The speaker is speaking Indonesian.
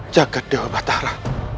jagat dewa batara